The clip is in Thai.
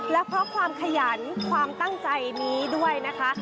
และเพราะความขยันความตั้งใจนี้ด้วยนะคะ